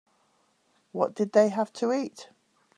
What did they have to eat?